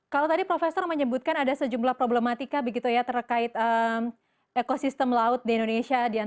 kalau tadi profesor menyebutkan ada sejumlah problematika begitu ya terkait ekosistem laut di indonesia